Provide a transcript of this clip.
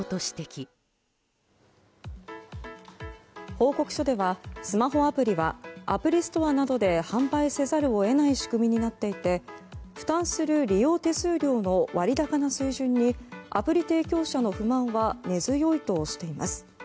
報告書ではスマホアプリはアプリストアなどで販売せざるを得ない仕組みになっていて負担する利用手数料の割高の水準にアプリ提供者の不満は根強いとしています。